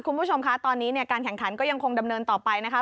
คุณผู้ชมคะตอนนี้เนี่ยการแข่งขันก็ยังคงดำเนินต่อไปนะคะ